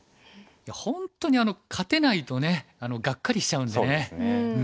本当に勝てないとねがっかりしちゃうんでね。